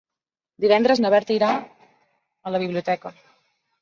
Divendres na Berta irà a la biblioteca.